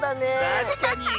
たしかに。